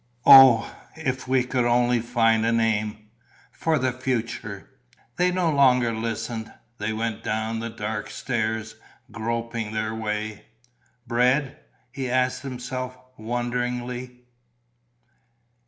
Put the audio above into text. ... Oh, if we could only find an aim ... for the future!" They no longer listened; they went down the dark stairs, groping their way. "Bread?" he asked himself, wonderingly.